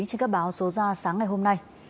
trên các báo số ra sáng ngày hôm nay